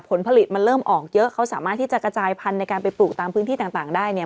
ผลผลิตมันเริ่มออกเยอะเขาสามารถที่จะกระจายพันธุ์ในการไปปลูกตามพื้นที่ต่างได้เนี่ย